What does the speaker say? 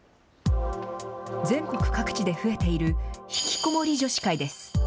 全国各地で増えている、ひきこもり女子会です。